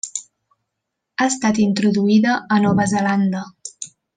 Ha estat introduïda a Nova Zelanda.